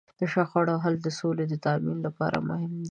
د شخړو حل د سولې د تامین لپاره مهم دی.